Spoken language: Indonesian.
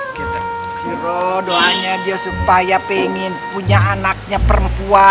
si ruh doanya dia supaya pengen punya anaknya perempuan